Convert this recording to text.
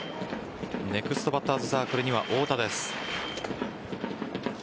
ネクストバッターズサークルには太田です。